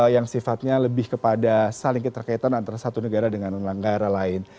yang sifatnya lebih kepada saling keterkaitan antara satu negara dengan negara lain